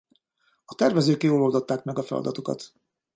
A tervezők jól oldották meg a feladatukat.